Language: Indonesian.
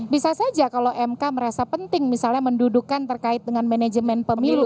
bisa saja kalau mk merasa penting misalnya mendudukan terkait dengan manajemen pemilu